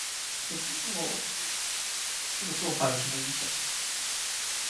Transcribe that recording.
这种做法有什么影响